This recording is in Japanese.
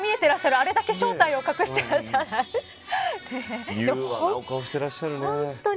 あれだけ正体を隠していらっしゃるのに。